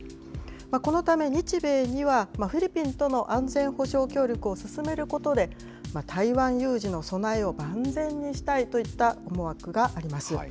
このため日米には、フィリピンとの安全保障協力を進めることで、台湾有事の備えを万全にしたいといった思惑があります。